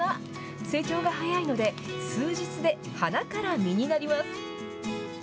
成長が早いので、数日で花から実になります。